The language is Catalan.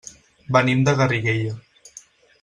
Venim de Garriguella.